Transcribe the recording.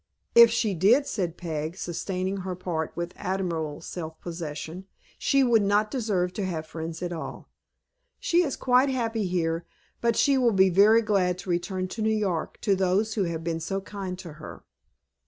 "If she did," said Peg, sustaining her part with admirable self possession, "she would not deserve to have friends at all. She is quite happy here, but she will be very glad to return to New York to those who have been so kind to her."